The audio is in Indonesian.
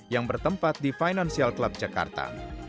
yang bertempat di financial club jakarta